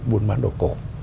muôn bán đồ cổ